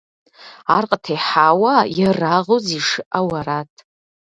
Ар къытехьауэ ерагъыу зишыӀэу арат.